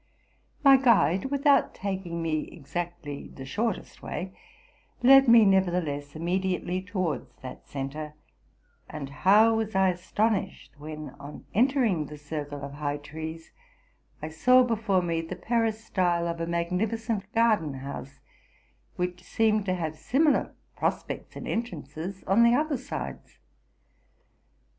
My guide, without taking me exactly the shortest way, led me nevertheless immediately towards that centre; and how was I astonished, when, on entering the circle of high trees, I saw before me the peristyle of a magnificent garden house, which seemed to have similar prospects and entrances on the other sides!